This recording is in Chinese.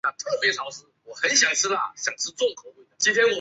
今天是一座修道院教堂。